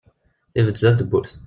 Ibedd sdat n tewwurt.